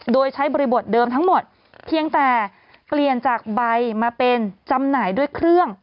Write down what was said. โดยใช้บริบทเดิมทั้งหมดเพียงแต่เปลี่ยนจากใบมาเป็นจำหน่ายด้วยเครื่อง